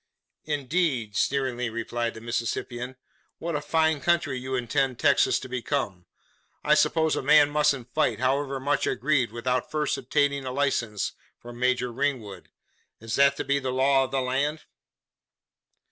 "Indeed!" sneeringly replied the Mississippian. "What a fine country you intend Texas to become! I suppose a man mustn't fight, however much aggrieved, without first obtaining a licence from Major Ringwood? Is that to be the law of the land?"